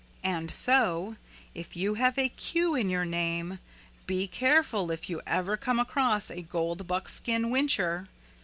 And so if you have a Q in your name, be careful if you ever come across a gold buckskin whincher.